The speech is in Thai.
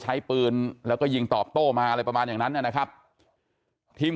ใช้ปืนแล้วก็ยิงตอบโต้มาอะไรประมาณอย่างนั้นนะครับทีม